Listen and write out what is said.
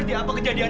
jawab wih jawab